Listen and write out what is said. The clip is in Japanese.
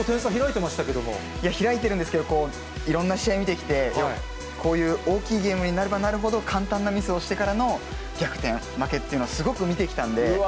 結構、開いてるんですけれども、いろんな試合見てきて、こういう大きいゲームになればなるほど簡単なミスをしてからの逆転負けっていうのが、すごく見てきたんで。